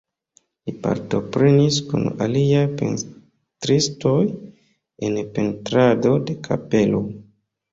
Li partoprenis kun aliaj pentristoj en pentrado de kapelo.